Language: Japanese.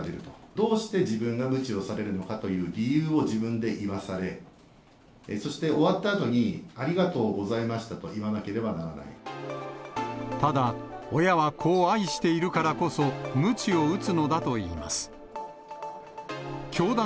どうして自分が、むちをされるのかという理由を自分で言わされ、そして、終わったあとにありがとうございましたと言わなければなただ、親は子を愛しているからこそ、むちを打つのだといいます。